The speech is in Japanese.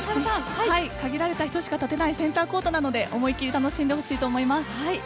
限られた人しか立てないセンターコートなので思い切り楽しんでほしいと思います。